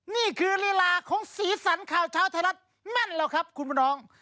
นี่คือลีลาของสีสันข่าวเช้าไทยรัฐแม่นแล้วครับคุณน้อง